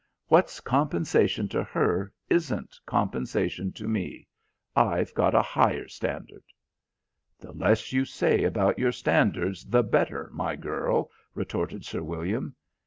What's compensation to her isn't compensation to me. I've got a higher standard." "The less you say about your standards, the better, my girl," retorted Sir William.